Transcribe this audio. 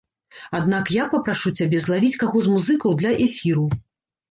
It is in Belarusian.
Аднак я папрашу цябе злавіць каго з музыкаў для эфіру.